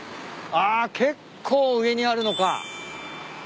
あっ結構上にあるのか。